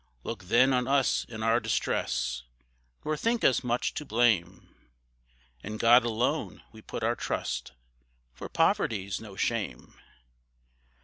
Look then on us in our distress, Nor think us much to blame, In God alone we put our trust, For poverty's no shame.